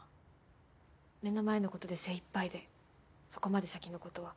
目の前の事で精いっぱいでそこまで先の事は。